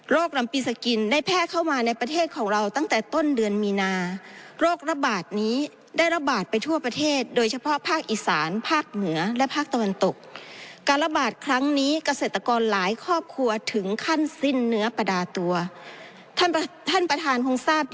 โรคลำปีสกิลได้แพร่เข้ามาในประเทศของเราตั้งแต่ต้นเดือนมีนาโรคระบาดนี้ได้ระบาดไปทั่วประเทศโดยเฉพาะภาคอีสานภาคเหนือและภาคตะวันตก